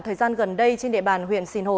thời gian gần đây trên địa bàn huyện sinh hồ